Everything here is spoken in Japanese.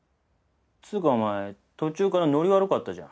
つーかお前途中からノリ悪かったじゃん。